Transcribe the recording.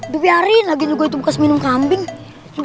hafi arin lagi berbising minum kambing yuk